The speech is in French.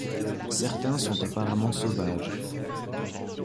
Certains sont apparemment sauvages.